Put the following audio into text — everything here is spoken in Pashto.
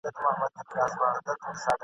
په دې ډنډ کي نوري نه سو لمبېدلای !.